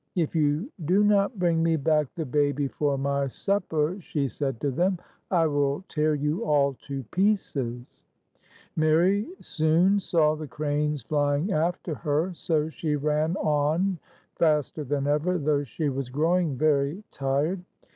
"If you do not bring me back the baby for my supper," she said to them, "I will tear you all to pieces !" Mary soon saw the cranes flying after her, so she ran on faster than ever, though she was growing very tired.